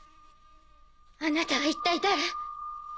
あなたは一体誰？